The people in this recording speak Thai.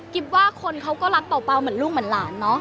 ว่าคนเขาก็รักเป่าเหมือนลูกเหมือนหลานเนอะ